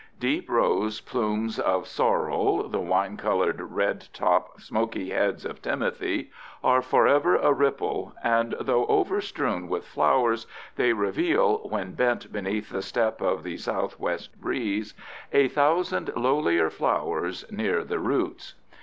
Deep rose plumes of sorrel, the wine colored red top, smoky heads of timothy, are forever aripple, and, though overstrewn with flowers, they reveal when bent beneath the step of the southwest breeze a thousand lowlier flowers near the roots.